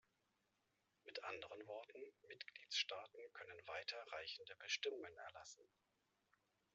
Mit anderen Worten, Mitgliedstaaten können weiter reichende Bestimmungen erlassen.